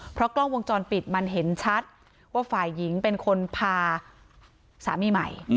เพราะกล้องวงจรปิดมันเห็นชัดว่าฝ่ายหญิงเป็นคนพาสามีใหม่